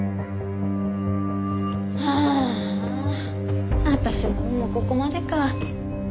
ああ私の運もここまでか。